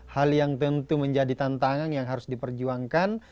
hal yang tentu menjadi tantangan yang harus diperjuangkan